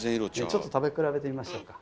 ちょっと食べ比べてみましょうか。